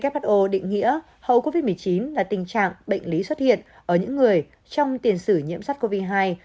who định nghĩa hậu covid một mươi chín là tình trạng bệnh lý xuất hiện ở những người trong tiền sử nhiễm sars cov hai